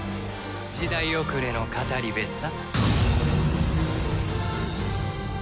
時代遅れの語り部さ。